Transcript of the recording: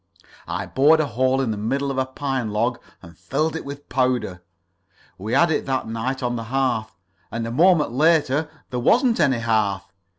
I bored a hole in the middle of a pine log and filled it with powder. We had it that night on the hearth, and a moment later there wasn't any hearth.